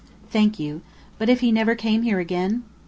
"Thank you. But if he never came here again?"